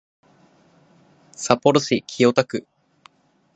札幌市清田区